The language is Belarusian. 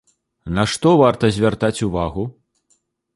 На што варта звяртаць увагу?